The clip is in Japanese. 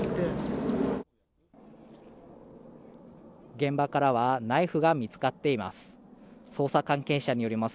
現場からはナイフが見つかっています